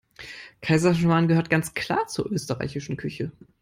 Kaiserschmarrn gehört ganz klar zur österreichischen Küche.